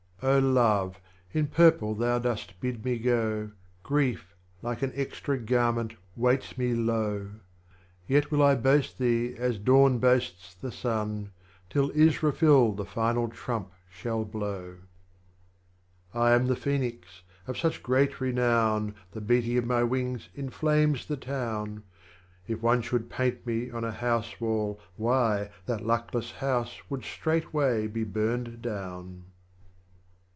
B 2 4 THE LAMENT OF 12. Love, in purple thou dost Jbid me go, Grief, like an extra garment, weights me low, Yet will I boast thee as Dawn boasts the Sun, Till Israfil the Final Trump shall bloAv. 13. I am the Phoenix, of such great Renown The beating of my Wings inflames the toAvn: If one should paint me on a house wall, why. That luckless house would straightway be burned down.